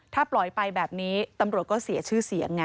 ถ้าปล่อยไปแบบนี้ตำรวจก็เสียชื่อเสียงไง